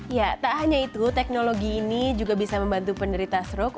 ya tak hanya itu teknologi ini juga bisa membantu penderita stroke